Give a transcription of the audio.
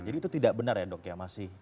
jadi itu tidak benar ya dok ya